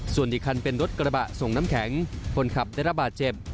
ส่วนอีกคันเป็นรถกระบะส่งน้ำแข็งคนขับได้รับบาดเจ็บ